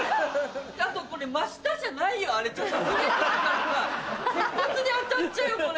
あとこれ真下じゃないよあれちょっとずれてるからさ鉄骨に当たっちゃうよこれ。